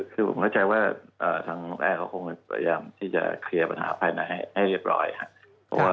คือผมเข้าใจว่าทางแอร์เขาคงพยายามที่จะเคลียร์ปัญหาภายในให้เรียบร้อยครับ